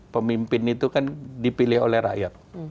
pemimpin itu kan dipilih oleh rakyat